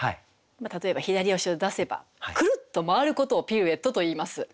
例えば左足を出せばくるっと回ることをピルエットといいます。